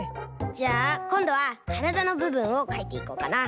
じゃあこんどはからだのぶぶんをかいていこうかな。